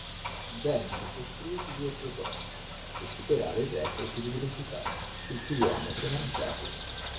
Vennero costruiti due prototipi per superare il record di velocità sul km lanciato.